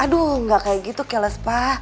aduh nggak kayak gitu keles pa